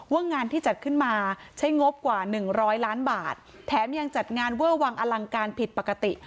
งานที่จัดขึ้นมาใช้งบกว่าหนึ่งร้อยล้านบาทแถมยังจัดงานเวอร์วังอลังการผิดปกติ